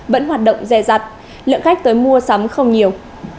các hoạt động dè dặt lượng khách tới mua sắm không nhiều